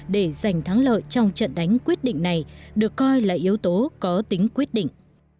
để giành thắng lợi trong trận đánh quyết định này được coi là yếu tố có tính quyết định